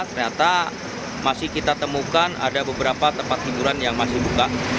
ternyata masih kita temukan ada beberapa tempat hiburan yang masih buka